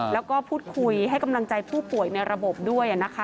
แล้วก็พูดคุยให้กำลังใจผู้ป่วยในระบบด้วยนะคะ